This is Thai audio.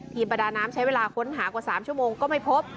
ประดาน้ำใช้เวลาค้นหากว่า๓ชั่วโมงก็ไม่พบ